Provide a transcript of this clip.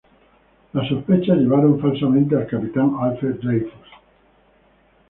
Las sospechas llevaron, falsamente, al Capitán Alfred Dreyfus.